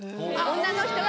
女の人が。